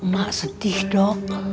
mak sedih dok